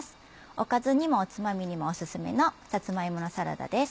おかずにもおつまみにもオススメのさつま芋のサラダです。